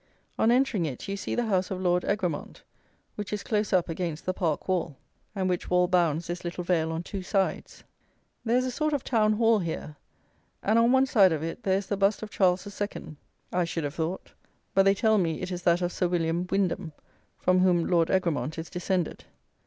On entering it you see the house of Lord Egremont, which is close up against the park wall, and which wall bounds this little vale on two sides. There is a sort of town hall here, and on one side of it there is the bust of Charles the Second, I should have thought; but they tell me it is that of Sir William Wyndham, from whom Lord Egremont is descended.